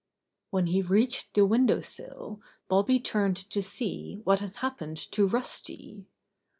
When he reached the window sill Bobby turned to see what had happened to Rusty.